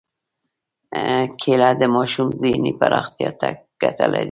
کېله د ماشوم ذهني پراختیا ته ګټه لري.